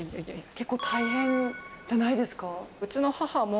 結構大変じゃないですか？